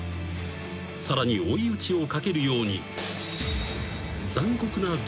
［さらに追い打ちをかけるように］